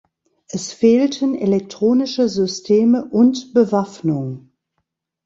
Es fehlten elektronische Systeme und Bewaffnung.